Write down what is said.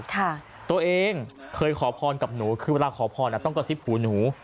ตัวเองเคยขอพรกับหนูคือเวลาขอพรอ่ะต้องกระซิบหูหนู